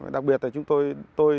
đặc biệt là chúng tôi